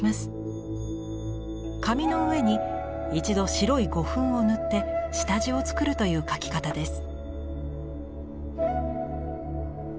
紙の上に一度白い胡粉を塗って下地を作るという描き方です。